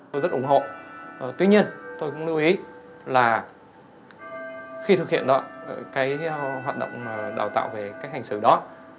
tôi rất ủng hộ tuy nhiên tôi cũng lưu ý là khi thực hiện cái hoạt động đào tạo về cách hành xử đó